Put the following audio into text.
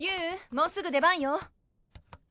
もうすぐ出番よ。